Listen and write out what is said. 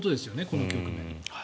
この局面。